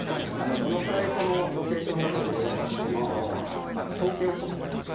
どのくらいこのロケーションだと売れるかっていうのを統計をとってるんですね。